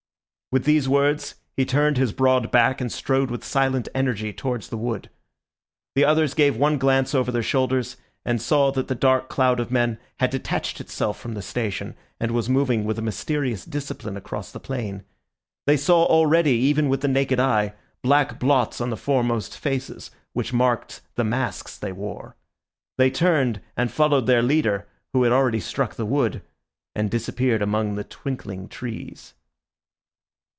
With these words, he turned his broad back and strode with silent energy towards the wood. The others gave one glance over their shoulders, and saw that the dark cloud of men had detached itself from the station and was moving with a mysterious discipline across the plain. They saw already, even with the naked eye, black blots on the foremost faces, which marked the masks they wore. They turned and followed their leader, who had already struck the wood, and disappeared among the twinkling trees.